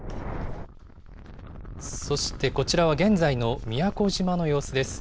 そしてこちらは現在の宮古島の様子です。